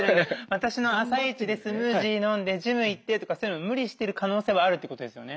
私の朝一でスムージー飲んでジム行ってとかそういうの無理してる可能性はあるってことですよね？